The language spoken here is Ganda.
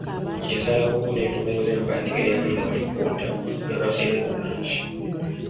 Yasalawo n’etongoza empandiika eyali mu alipoota y’abasinga obungi.